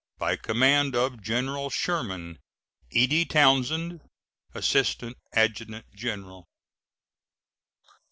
By command of General Sherman: E.D. TOWNSEND, Assistant Adjutant General.